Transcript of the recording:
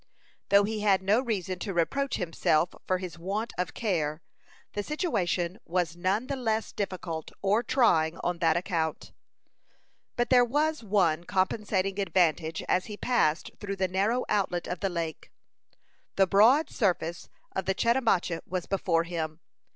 Though he had no reason to reproach himself for his want of care, the situation was none the less difficult or trying on that account. But there was one compensating advantage: as he passed through the narrow outlet of the lake, the broad surface of the Chetemache was before him.